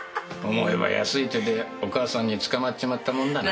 思えば安い手でお母さんに捕まっちまったもんだな。